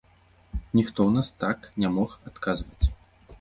Ніхто ў нас так не мог адказваць.